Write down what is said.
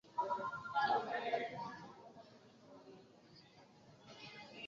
Dentohavaj muroj, turetoj kaj eĉ homoj piedirantaj aŭ rajdantaj estis zorge ellaboritaj.